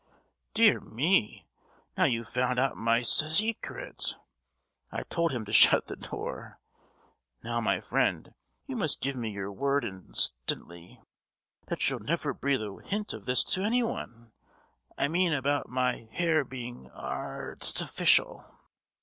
"Dear me; now you've found out my se—ecret! I told him to shut the door. Now, my friend, you must give me your word in—stantly, that you'll never breathe a hint of this to anyone—I mean about my hair being ar—tificial!"